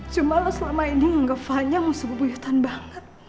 cuma lo selama ini nganggap fanya musuh buyutan banget